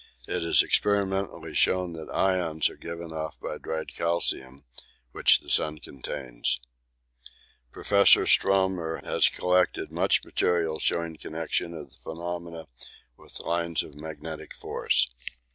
It is experimentally shown that ions are given off by dried calcium, which the sun contains. Professor Störmer has collected much material showing connection of the phenomenon with lines of magnetic force.